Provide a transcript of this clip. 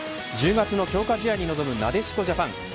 １０月の強化試合に臨むなでしこジャパン。